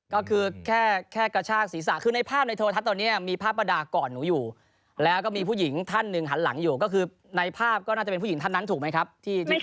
ก็คือแค่กระชากศีรษะคือในภาพในโทรทัศน์ตอนนี้มีภาพประดาษก่อนหนูอยู่แล้วก็มีผู้หญิงท่านหนึ่งหันหลังอยู่ก็คือในภาพก็น่าจะเป็นผู้หญิงท่านนั้นถูกไหมครับ